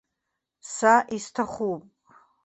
Са исҭахуп.